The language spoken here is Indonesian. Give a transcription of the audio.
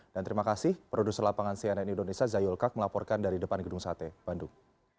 dan terima kasih produser lapangan cnn indonesia zayul kak melaporkan dari depan gedung sate bandung